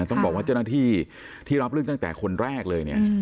ต้องบอกว่าเจ้าหน้าที่ที่รับเรื่องตั้งแต่คนแรกเลยเนี่ย